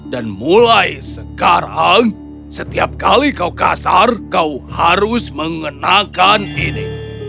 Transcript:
dan mulai sekarang setiap kali kau kasar kau harus mengenakan ini